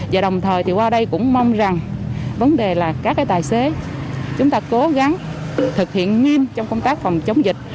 và đồng thời thì qua đây cũng mong rằng vấn đề là các tài xế chúng ta cố gắng thực hiện nghiêm trong công tác phòng chống dịch